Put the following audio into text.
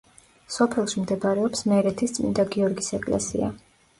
სოფელში მდებარეობს მერეთის წმინდა გიორგის ეკლესია.